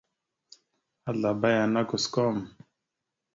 Azlaba yana kusəkom.